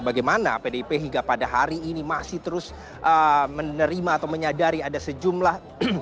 bagaimana pdip hingga pada hari ini masih terus menerima atau menyadari ada sejumlah